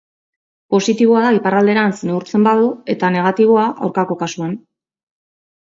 Positiboa da iparralderantz neurtzen badu, eta negatiboa, aurkako kasuan.